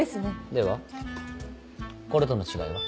ではこれとの違いは？